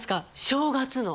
正月の。